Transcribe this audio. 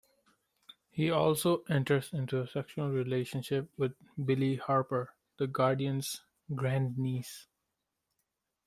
He also enters into a sexual relationship with Billi Harper, the Guardian's grandniece.